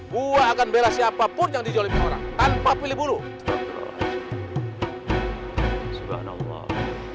buah akan bela siapapun yang juga lebih orang tanpa pilih dulu alhamdulillah allah